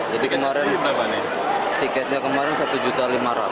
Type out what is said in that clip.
jadi kemarin tiketnya rp satu lima juta